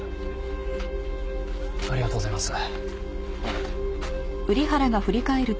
ありがとうございます。